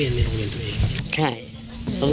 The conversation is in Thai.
เป็นเด็กได้เปลี่ยนในโรงเรียนตัวเอง